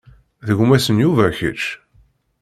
D gma-s n Yuba kečč?